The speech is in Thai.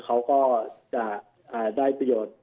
เขาก็จะได้ประโยชน์